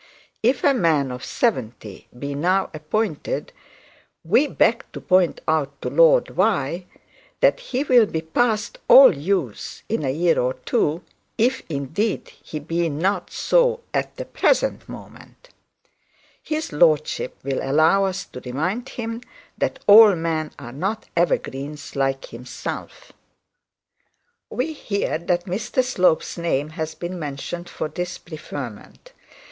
If a man of seventy be now appointed, we beg to point out to Lord that he will be past all use in a year or two, if indeed he is not so at the present moment. His lordship will allow us to remind him that all men are not evergreens like himself. 'We hear that Mr Slope's name has been mentioned for this preferment.